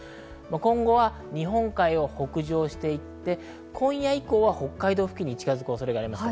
今後は日本海を北上していて、今夜以降は北海道付近に近づく恐れがあります。